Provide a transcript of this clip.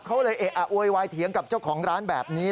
เขาเลยโวยวายเถียงกับเจ้าของร้านแบบนี้